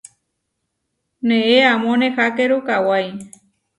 Neé amó nehákeru kawái.